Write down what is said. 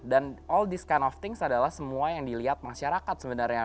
dan all this kind of things adalah semua yang dilihat masyarakat sebenarnya